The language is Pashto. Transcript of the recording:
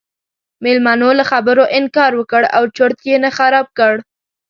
میلمنو له خبرو انکار وکړ او چرت یې نه خراب کړ.